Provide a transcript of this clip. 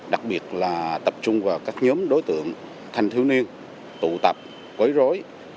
đặc biệt là tập trung vào các nhóm đối tượng thanh thiếu niên tụ tập quấy rối